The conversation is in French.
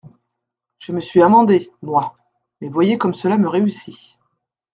Je me suis amendé, moi ; mais voyez comme cela me réussit.